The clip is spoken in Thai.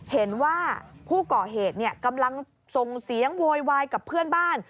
เห็นว่าผู้ก่อเหตุกำลังส่งเสียงโวยวายกับเพื่อนบ้าน